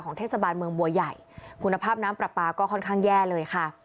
เทศบาลเมืองบัวใหญ่คุณภาพน้ำปลาปลาก็ค่อนข้างแย่เลยค่ะ